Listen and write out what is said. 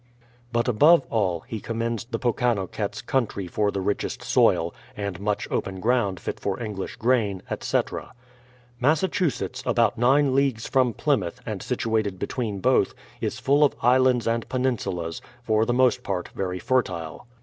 But above all, he commends the Pokanokets' country for the richest soil, and much open ground fit for English grain, etc. "Massachusetts, about nine leagues from Plymouth, and situated between both, is full of islands and peninsulas, for the most part very fertile."